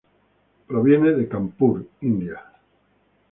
Él proviene de Kanpur, India.